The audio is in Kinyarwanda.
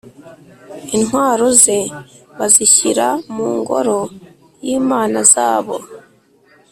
Intwaro ze bazishyira mu ngoro y imana zabo